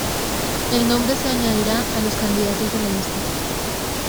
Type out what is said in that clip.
El nombre se añadirá a los candidatos de la lista.